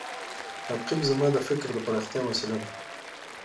رقیب زما د فکر د پراختیا وسیله ده